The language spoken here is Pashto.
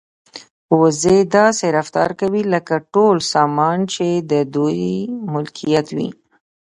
وزې داسې رفتار کوي لکه ټول سامان چې د دوی ملکیت وي.